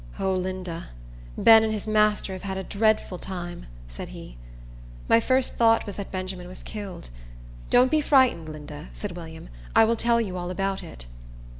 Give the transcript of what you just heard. "O Linda, Ben and his master have had a dreadful time!" said he. My first thought was that Benjamin was killed. "Don't be frightened, Linda," said William; "I will tell you all about it."